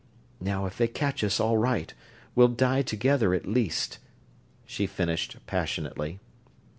Now, if they catch us, all right we'll die together, at least!" she finished, passionately.